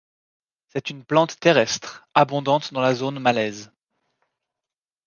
C'est une plante terrestre, abondante dans la zone malaise.